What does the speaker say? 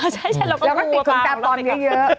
ใช่เราก็ดูว่าเปล่าแล้วก็ติดคุณการตอนเยอะ